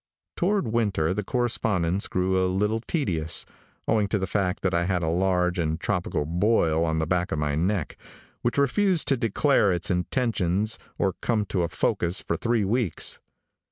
Toward winter the correspondence grew a little tedious, owing to the fact that I had a large, and tropical boil on the back of my neck, which refused to declare its intentions or come to a focus for three weeks.